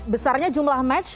besarnya jumlah match